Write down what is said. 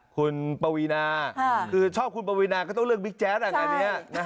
คุณปวีนาคือชอบคุณปวีนาก็ต้องเลือกบิ๊กแจ๊ดงานนี้